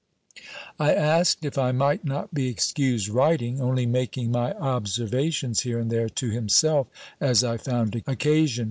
I asked, if I might not be excused writing, only making my observations, here and there, to himself, as I found occasion?